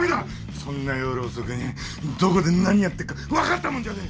そんな夜遅くにどこで何やってっか分かったもんじゃねえ！